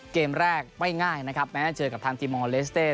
เกมแรกไม่ง่ายนะครับแม้จะเจอกับทางทีมอลเลสเต้